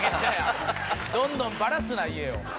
どんどんバラすな家を。